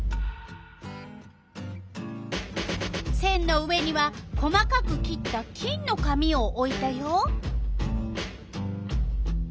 せんの上には細かく切った金の紙をおいたよ。